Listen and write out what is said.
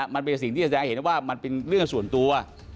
มันเป็นสิ่งที่จะแสดงเห็นว่ามันเป็นเรื่องส่วนตัว